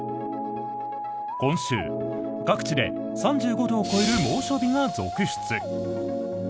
今週、各地で３５度を超える猛暑日が続出。